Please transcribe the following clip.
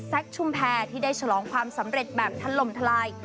ชุมแพรที่ได้ฉลองความสำเร็จแบบทันลมทลาย